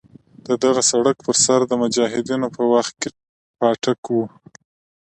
د دغه سړک پر سر د مجاهدینو په وخت کې پاټک وو.